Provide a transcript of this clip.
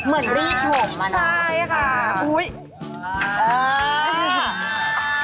เหมือนรีดห่มอ่ะน้อง